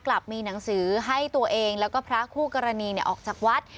กลับมีหนังสือให้ตัวเองแล้วก็พระคู่กรณีออกจากวัด